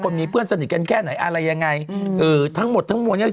คนมีเพื่อนสนิทกันแค่ไหนอะไรยังไงอืมเอ่อทั้งหมดทั้งมวยังจริง